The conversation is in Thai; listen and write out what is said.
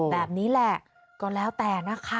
แบบนี้แหละก็แล้วแต่นะคะ